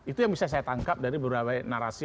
itu yang bisa saya tangkap dari beberapa narasi